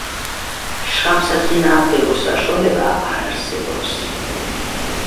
შხამსაწინააღმდეგო საშუალება არ არსებობს.